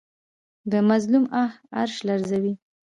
د مظلوم آه عرش لرزوي